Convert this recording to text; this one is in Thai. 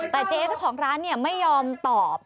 แต่เจ๊เจ้าของร้านไม่ยอมตอบ